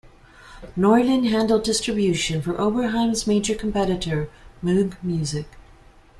Norlin handled distribution for Oberheim's major competitor, Moog Music.